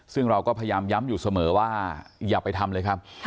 ซึ่งเราก็พยายามย้ำอยู่เสมอว่าอย่าไปทำเลยครับ